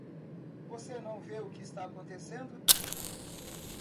Você não vê o que está acontecendo?